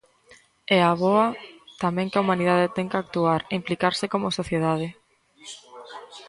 E a boa, tamén que a humanidade ten que actuar, implicarse como sociedade.